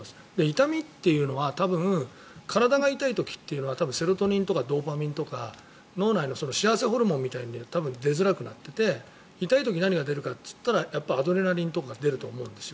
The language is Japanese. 痛みというのは、多分体が痛い時というのはセロトニンとかドーパミンとか脳内の幸せホルモンみたいなのが多分、出づらくなっていて痛い時に何が出るかってやっぱりアドレナリンとかが出ると思うんです。